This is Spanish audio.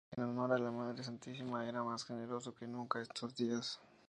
En honor de la Madre Santísima era más generoso que nunca estos días.